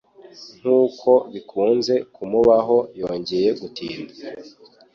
Nkuko bikunze kumubaho, yongeye gutinda.